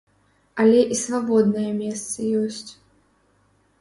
Але і свабодныя месцы ёсць.